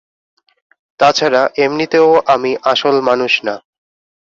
তাছাড়া, এমনিতেও আমি আসল মানুষ না।